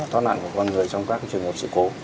thoát nạn của con người trong các trường hợp sự cố